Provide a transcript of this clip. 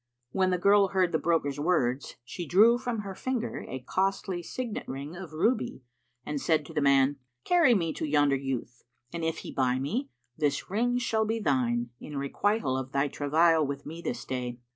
When the girl heard the broker's words, she drew from her finger a costly signet ring of ruby and said to the man, "Carry me to yonder youth, and if he buy me, this ring shall be thine, in requital of thy travail with me this day."